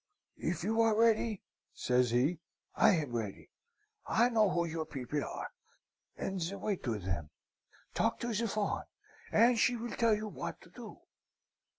"'If you are ready,' says he, 'I am ready. I know who your people are, and the way to them. Talk to the Fawn, and she will tell you what to do.